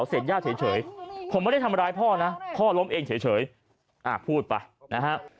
เสพย่าเฉยผมไม่ได้ทำร้ายพ่อนะพ่อล้มเองเฉยพูดไปนะฮะ